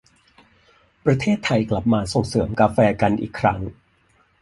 ประเทศไทยกลับมาส่งเสริมกาแฟกันอีกครั้ง